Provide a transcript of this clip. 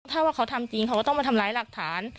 ถ้าว่าเขาทำจริงเขาก็ต้องมาทำร้ายหลักฐาน